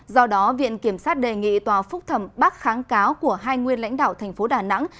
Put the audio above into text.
do đó viện kiểm sát đề nghị tòa phúc thẩm bác kháng cáo của hai nguyên lãnh đạo thành phố đà nẵng